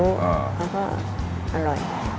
แล้วก็อร่อย